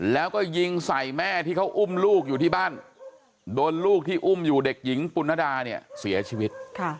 แล้วก็ยิงใส่แม่ที่เขาอุ้มลูกอยู่ที่บ้านโดนลูกที่อุ้มอยู่เด็กหญิงปุณดาเนี่ยเสียชีวิต